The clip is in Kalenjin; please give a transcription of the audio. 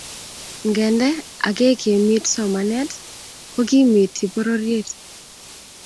ngendee ak kekimit somanet ko kimiti pororiet